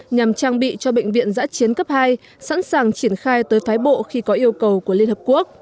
nhằm trang bị cho bệnh viện giã chiến cấp hai sẵn sàng triển khai tới phái bộ khi có yêu cầu của liên hợp quốc